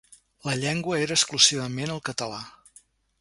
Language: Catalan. La llengua era exclusivament el català.